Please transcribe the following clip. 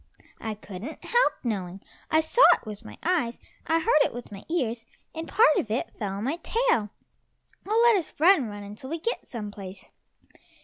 "I couldn't help knowing! I saw it with my eyes, I heard it with my ears, and a part of it fell on my tail. Oh, let us run, run until we get some place."